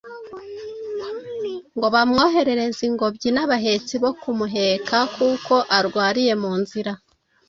ngo bamwoherereze ingobyi n'abahetsi bo kumuheka kuko arwariye mu nzira.